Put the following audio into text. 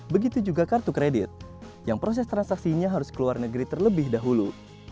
begitu juga kartu kredit yang proses transaksinya harus ke luar negeri terlebih dahulu